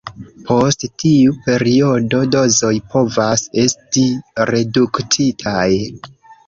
Post tiu periodo, dozoj povas esti reduktitaj.